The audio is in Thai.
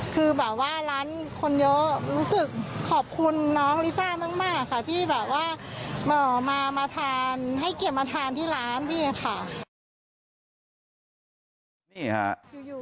คือแบบว่าร้านคนเยอะรู้สึกขอบคุณน้องลิซ่ามากค่ะที่แบบว่ามาทานให้เก็บมาทานที่ร้านพี่ค่ะ